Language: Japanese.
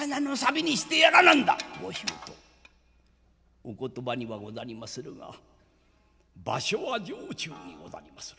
「ご舅お言葉にはござりまするが場所は城中にござりまする。